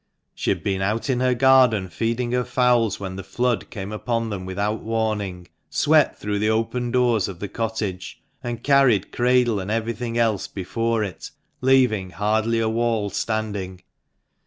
She had been out in her garden feeding her fowls when the flood came upon them without warning, swept through the open doors of the cottage, and carried cradle and everything else before it, leaving hardly a wall standing.